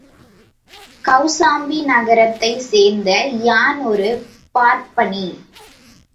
கௌசாம்பி நகரத்தைச் சேர்ந்த யான் ஒரு பார்ப்பனி.